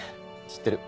知ってる。